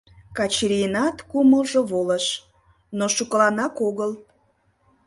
Качырийынат кумылжо волыш, но шукыланак огыл.